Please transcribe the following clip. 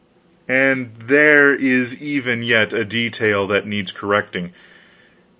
"And there is even yet a detail that needs correcting.